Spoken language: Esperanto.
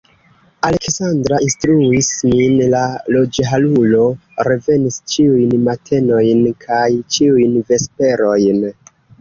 Aleksandra instruis min, la ruĝharulo revenis ĉiujn matenojn kaj ĉiujn vesperojn.